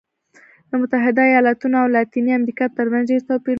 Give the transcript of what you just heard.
د متحده ایالتونو او لاتینې امریکا ترمنځ ډېر توپیرونه شته.